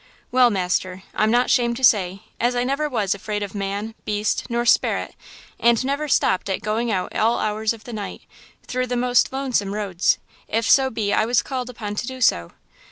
"Well, master, I'm not 'shamed to say, as I never was afraid of man, beast, nor sperrit, and never stopped at going out all hours of the night, through the most lonesome roads, if so be I was called upon to do so.